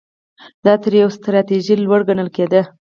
دا تر یوې ستراتیژۍ لوړ ګڼل کېده.